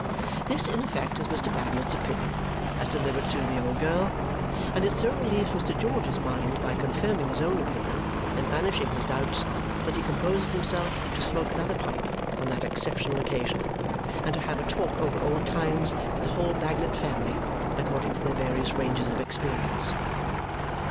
This, in effect, is Mr. Bagnet's opinion, as delivered through the old girl, and it so relieves Mr. George's mind by confirming his own opinion and banishing his doubts that he composes himself to smoke another pipe on that exceptional occasion and to have a talk over old times with the whole Bagnet family, according to their various ranges of experience.